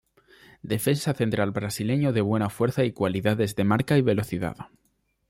Defensa central brasileño de buena fuerza y cualidades de marca y velocidad.